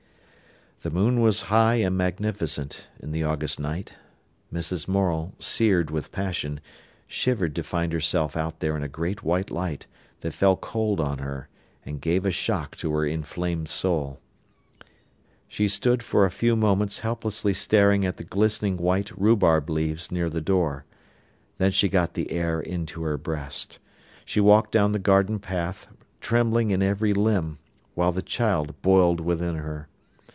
The moon was high and magnificent in the August night. Mrs. Morel, seared with passion, shivered to find herself out there in a great white light, that fell cold on her, and gave a shock to her inflamed soul. She stood for a few moments helplessly staring at the glistening great rhubarb leaves near the door. Then she got the air into her breast. She walked down the garden path, trembling in every limb, while the child boiled within her.